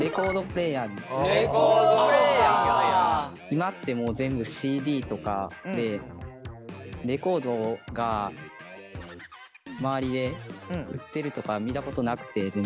今ってもう全部ＣＤとかでレコードが周りで売ってるとか見たことなくて全然。